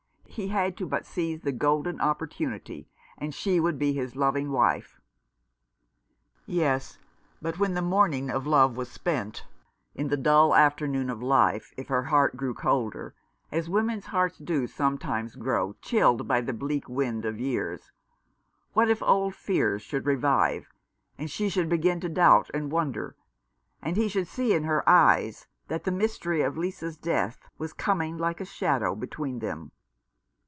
He had but to seize the golden opportunity, and she would be his loving wife. Yes, but when the morning of love was spent, in the dull afternoon of life, if her heart grew colder, as women's hearts do sometimes grow, chilled by the bleak wind of years, what if old 212 Other Lives. fears should revive, and she should begin to doubt and wonder, and he should see in her eyes that the mystery of Lisa's death was coming like a shadow between them